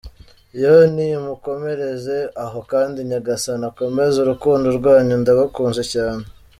yoooo nimukomereze aho kandi nyagasani akomeze urukundo rwanyu ndabakunze cyane.